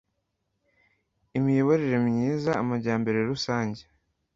Imiyoborere Myiza Amajyambere Rusange